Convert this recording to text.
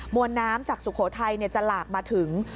วนน้ำจากสุโขทัยจะหลากมาถึง